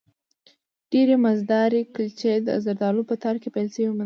ډېرې مزهدارې کلچې، د زردالو په تار کې پېل شوې مندکې